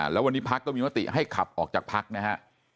แล้ววันนี้ภักดิ์ต้องมีมติให้ขับออกจากภักดิ์นะฮะ